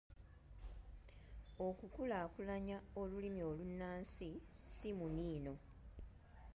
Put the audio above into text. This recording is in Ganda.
Okukulaakulanya olulimi olunnansi si muniino.